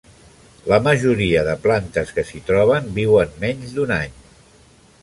La majoria de plantes que s'hi troben viuen menys d'un any.